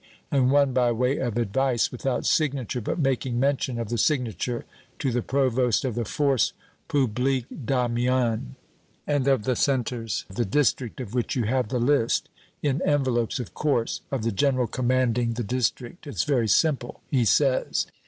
and one by way of advice, without signature, but making mention of the signature, to the Provost of the Force Publique d'Amiens and of the centers of the district, of which you have the list in envelopes, of course, of the general commanding the district. It's very simple,' he says.